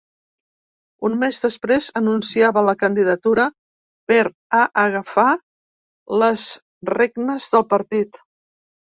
Un mes després anunciava la candidatura per a agafar les regnes del partit.